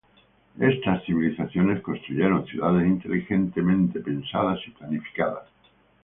Estas civilizaciones construyeron ciudades inteligentemente pensadas y planificadas.